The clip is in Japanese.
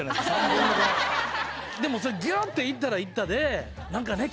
３本分でもそれギューッていったらいったで何かね